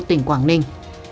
tỉnh quảng ninh